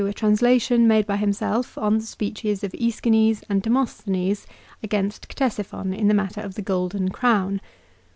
a translation made by himself on the speeches of ZEschines and Demosthenes against Ctesiphon in the matter of the Golden Crown.